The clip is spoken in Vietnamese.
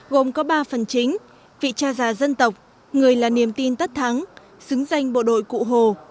gồm có ba phần chính vị cha già dân tộc người là niềm tin tất thắng xứng danh bộ đội cụ hồ